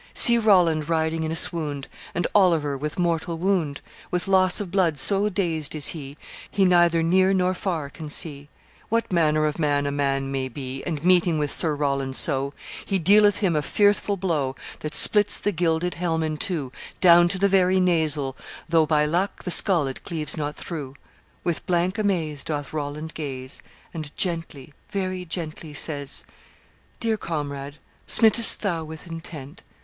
"See Roland riding in a swound: And Oliver with mortal wound; With loss of blood so dazed is he He neither near nor far can see What manner of man a man may be: And, meeting with Sir Roland so, He dealeth him a fearful blow That splits the gilded helm in two Down to the very nasal, though, By luck, the skull it cleaves not through. With blank amaze doth Roland gaze, And gently, very gently, says, 'Dear comrade, smit'st thou with intent?